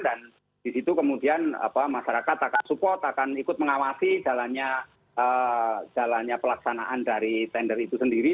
dan di situ kemudian masyarakat akan support akan ikut mengawasi jalannya pelaksanaan dari tender itu sendiri